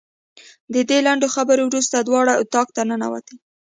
د دې لنډو خبرو وروسته دواړه اتاق ته ننوتې.